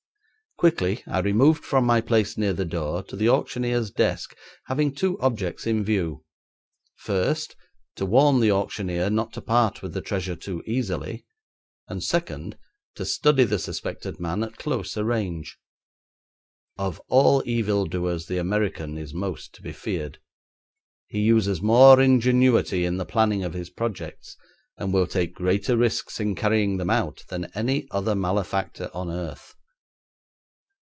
Quickly I removed from my place near the door to the auctioneer's desk, having two objects in view; first, to warn the auctioneer not to part with the treasure too easily; and, second, to study the suspected man at closer range. Of all evil doers the American is most to be feared; he uses more ingenuity in the planning of his projects, and will take greater risks in carrying them out than any other malefactor on earth.